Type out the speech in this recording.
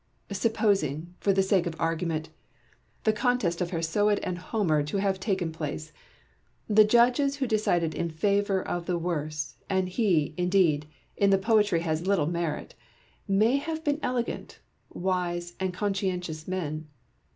Supposing, for the sake of argument, the contest of Hesiod and Homer to have taken place : the judges who decided in favour of the worse, and he, indeed, in the poetry has little merit, may have been elegant, wise, and conscientious men.